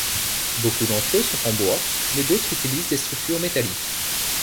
Beaucoup d'entre eux sont en bois, mais d'autres utilisent des structures métalliques.